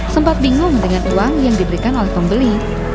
sempat bingung dengan uang yang diberikan oleh pembeli